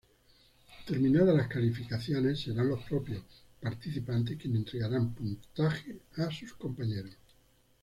Terminada las calificaciones, serán los propios participantes quienes entregarán puntaje a sus compañeros.